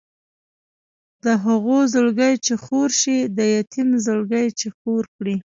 د هغو زړګی چې خور شي د یتیم زړګی چې خور کړي.